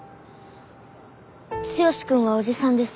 剛くんはおじさんです。